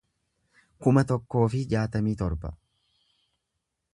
kuma tokkoo fi jaatamii torba